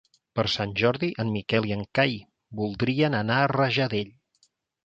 Per Sant Jordi en Miquel i en Cai voldrien anar a Rajadell.